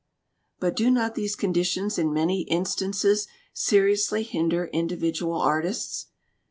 "But do not these conditions in many instances seriously hinder individual artists?"